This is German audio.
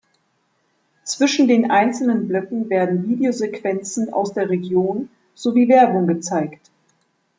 Zwischen den einzelnen Blöcken werden Videosequenzen aus der Region sowie Werbung gezeigt.